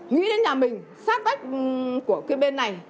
nghĩ đến nhà mình sát tách của cái bên này